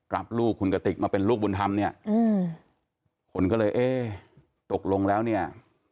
รับลูกคุณกติกมาเป็นลูกบุญธรรมเนี่ยอืมคนก็เลยเอ๊ะตกลงแล้วเนี่ย